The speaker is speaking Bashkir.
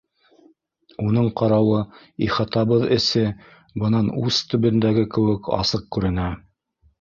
Уның ҡарауы, ихатабыҙ эсе бынан ус төбөндәге кеүек асыҡ күренә.